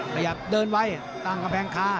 ขยับเดินไว้ตั้งกำแพงคา